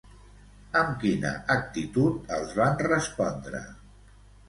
Amb quina actitud els van respondre?